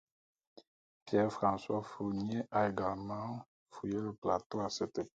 Pierre-François Fournier a également fouillé le plateau à cette époque.